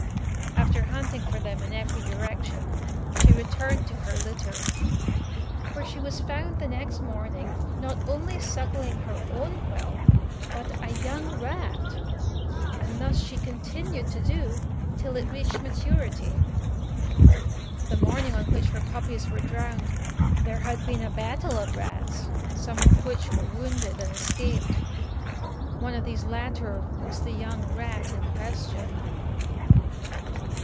After hunting for them in every direction, she returned to her litter, where she was found the next morning not only suckling her own whelp, but a young rat; and thus she continued to do till it reached maturity. The morning on which her puppies were drowned there had been a battue of rats, some of which were wounded and escaped. One of these latter was the young rat in question.